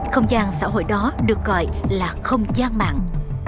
không gian xã hội đó được gọi là không gian mạng